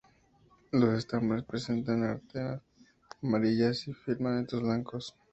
Los estambres presentan anteras amarillas y filamentos blancos.